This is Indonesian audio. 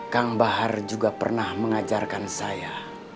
kang bahar juga pernah mengajarkan saya